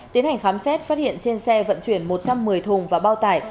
tiến hành khám xét phát hiện trên xe vận chuyển một trăm một mươi thùng và bao tải